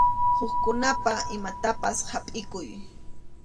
Hukkunapa imantapas hapʼikuy.